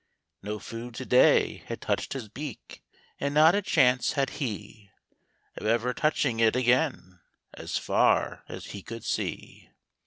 No food to day had touched his beak, And not a chance had he Of ever touching it again, As far as he could see.